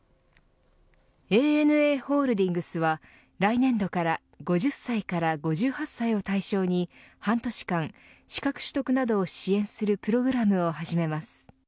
ＡＮＡホールディングスは来年度から５０歳から５８歳を対象に半年間、資格取得などを支援するプログラムを始めます。